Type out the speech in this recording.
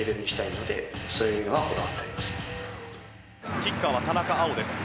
キッカーは田中碧です。